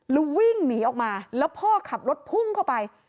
แล้ววิ่งหนีออกมาแล้วพ่อขับรถพุ่งเข้าไป